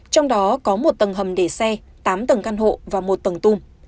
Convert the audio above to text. trong đó có một tầng hầm để xe tám tầng căn hộ và một tầng tung